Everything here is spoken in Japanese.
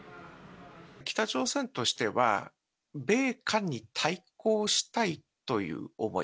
北朝鮮としては、米韓に対抗したいという思い。